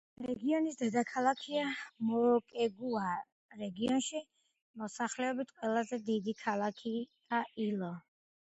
რეგიონის დედაქალაქია მოკეგუა, რეგიონში მოსახლეობით ყველაზე დიდი ქალაქია ილო.